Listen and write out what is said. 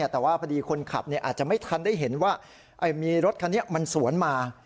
แต่ว่าพอดีคนขับอาจจะไม่ทันได้เห็นว่ามีรถคันนี้มันสวนมา